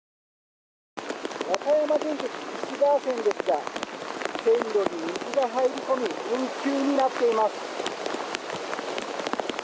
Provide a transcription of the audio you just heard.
和歌山電鐵貴志川線ですが線路に水が入り込み運休になっています。